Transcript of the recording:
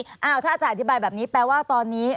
ถ้าอาจารย์อธิบายแบบนี้แปลว่าตอนนี้